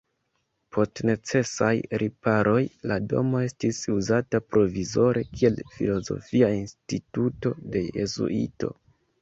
Post necesaj riparoj la domo estis uzata provizore kiel filozofia instituto de jezuitoj.